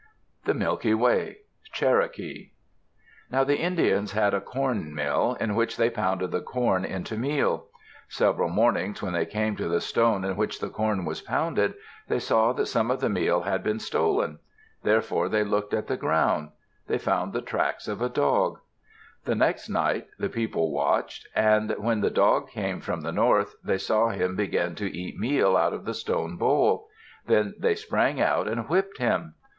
THE MILKY WAY Cherokee Now the Indians had a corn mill, in which they pounded the corn into meal. Several mornings when they came to the stone in which the corn was pounded, they saw that some of the meal had been stolen. Therefore they looked at the ground. They found the tracks of a dog. The next night, the people watched, and when the dog came from the north, they saw him begin to eat meal out of the stone bowl. Then they sprang out and whipped him.